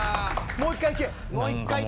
もう１回いけ。